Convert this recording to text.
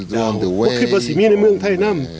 เดาว่าคือประสิทธิ์มีในเมืองไทยนั่ม